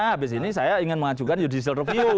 habis ini saya ingin mengajukan judicial review